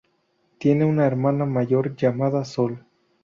Tiene una hermana mayor llamada Sol.